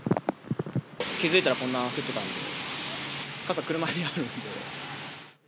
気付いたらこんな降ってたんで、傘、車にあるので。